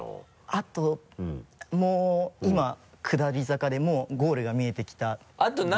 あともう今下り坂でもうゴールが見えてきたぐらいでした。